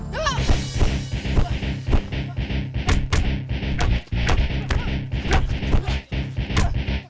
mak gak catanya